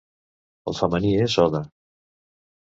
El femení és Oda.